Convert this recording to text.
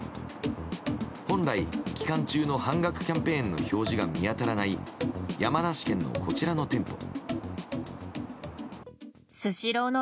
本来期間中の半額キャンペーンの表示が見当たらない山梨県のこちらの店舗。